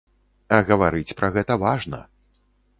А гаварыць пра гэта важна.